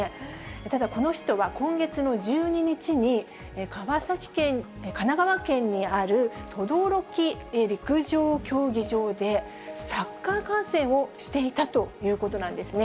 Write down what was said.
ただ、この人は今月の１２日に、神奈川県にある等々力陸上競技場で、サッカー観戦をしていたということなんですね。